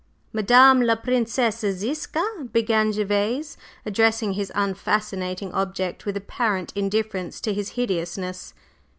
"Madame la Princesse Ziska," began Gervase, addressing this unfascinating object with apparent indifference to his hideousness.